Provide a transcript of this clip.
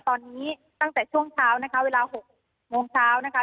ตอนนี้ตั้งแต่ช่วงเช้านะคะเวลา๖โมงเช้านะคะ